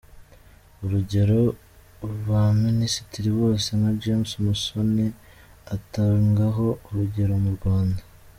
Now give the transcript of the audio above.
Urugero, ba minisitiri bose nka James Musoni atangaho urugero mu Rwanda.